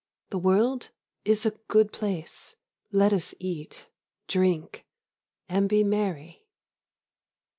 The world is a good place. Let us eat, drink, and be merry.